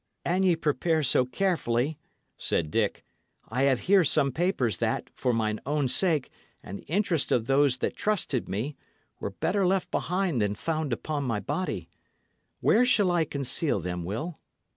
"An ye prepare so carefully," said Dick, "I have here some papers that, for mine own sake, and the interest of those that trusted me, were better left behind than found upon my body. Where shall I conceal them, Will?"